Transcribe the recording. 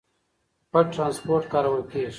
پټ ترانسپورت کارول کېږي.